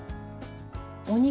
お肉。